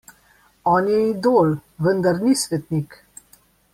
On je idol, vendar ni svetnik.